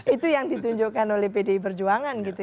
itu yang ditunjukkan oleh pdi perjuangan gitu